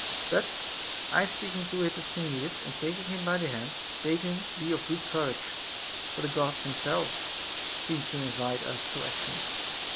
But I, speaking to Hipposthenides and taking him by the hand, bade him be of good courage, for the Gods themselves seemed to invite us to action.